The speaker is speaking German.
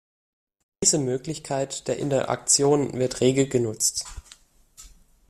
Diese Möglichkeit der Interaktion wird rege genutzt.